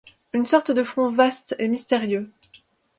Une sorte de front vaste et mystérieux